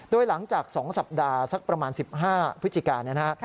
โดยหลังจาก๒สัปดาห์สักประมาณ๑๕พฤศจิกาเนี่ยนะฮะ